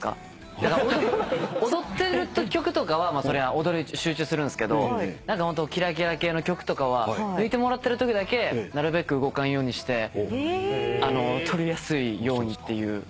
だから踊ってる曲とかは踊りに集中するんですけどキラキラ系の曲とかは抜いてもらってるときだけなるべく動かんようにして撮りやすいようにっていう。